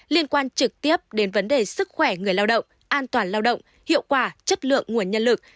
liên quan trực tiếp đến vấn đề sức khỏe người lao động an toàn lao động hiệu quả chất lượng nguồn nhân lực